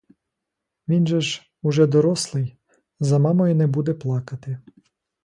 Він же ж уже дорослий, за мамою не буде плакати.